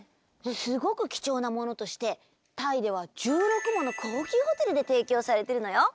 すごく貴重なものとしてタイでは１６もの高級ホテルで提供されてるのよ！